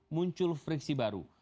muncul friksi baru